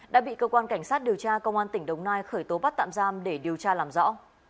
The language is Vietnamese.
đã bị cơ quan cảnh sát điều tra công an tỉnh đồng nai khởi tố bắt tạm giam để điều tra làm rõ